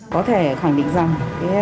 có thể khẳng định rằng